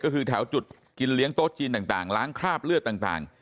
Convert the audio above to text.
ก็คือแถวจุดกินเลี้ยงโต๊ะจีนต่างล้างคราบเลือดต่าง